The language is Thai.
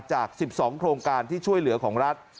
จาก๑๒โครงการที่ช่วยเหลือของรัฐ